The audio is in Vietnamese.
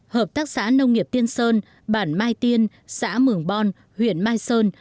hợp tác xã nông nghiệp tiên sơn bản mai tiên xã mường bon huyện mai sơn